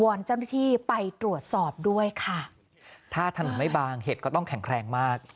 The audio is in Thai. อนเจ้าหน้าที่ไปตรวจสอบด้วยค่ะถ้าถนนไม่บางเห็ดก็ต้องแข็งแรงมาก